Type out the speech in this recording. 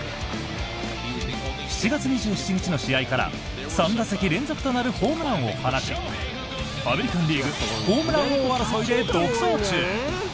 ７月２７日の試合から３打席連続となるホームランを放ちアメリカン・リーグホームラン王争いで独走中。